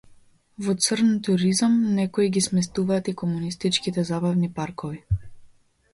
Во црн туризам некои ги сместуваат и комунистичките забавни паркови.